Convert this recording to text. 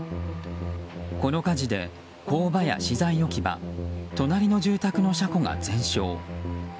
この火事で工場や資材置き場隣の住宅の車庫が全焼。